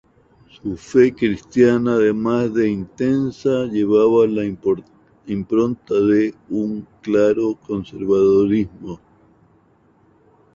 Su fe cristiana, además de intensa, llevaba la impronta de un claro conservadurismo.